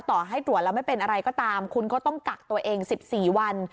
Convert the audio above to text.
ต่อให้ตรวจแล้วไม่เป็นอะไรก็ตามคุณก็ต้องกักตัวเอง๑๔วัน